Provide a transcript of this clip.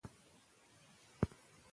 قدم وهل انرژي زیاتوي.